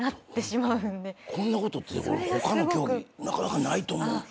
こんなことって他の競技なかなかないと思う。